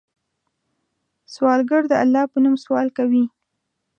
سوالګر د الله په نوم سوال کوي